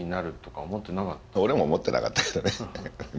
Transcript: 俺も思ってなかったけどね。